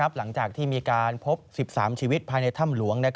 หลังจากที่มีการพบ๑๓ชีวิตภายในถ้ำหลวง